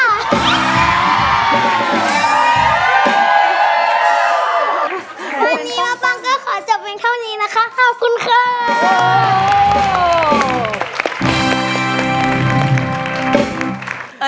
วันนี้ป้าปังก็ขอจบเพียงเท่านี้นะคะขอบคุณครับ